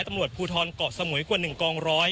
ด้วยตำรวจภูทรบอบฝุ่นและตำรวจภูทรเกาะสมุยกว่า๑กอง๑๐๐